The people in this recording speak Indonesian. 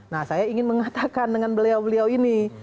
nah saya ingin mengatakan dengan beliau beliau ini